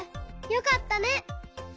よかったね。